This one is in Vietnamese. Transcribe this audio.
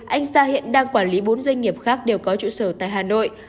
anh sa hiện đang quản lý bốn doanh nghiệp khác đều có trụ sở tại hà nội